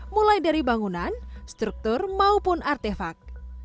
mulai dari bangunan struktur maupun artefak